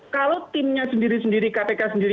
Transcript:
kalau timnya sendiri sendiri kpk sendiri